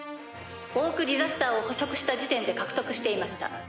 オーク・ディザスターを捕食した時点で獲得していました。